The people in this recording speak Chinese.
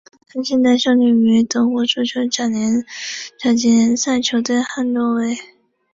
他现在效力于德国足球甲级联赛球队汉诺威。